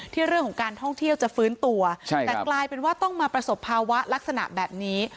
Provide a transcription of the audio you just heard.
เรื่องของการท่องเที่ยวจะฟื้นตัวแต่กลายเป็นว่าต้องมาประสบภาวะลักษณะแบบนี้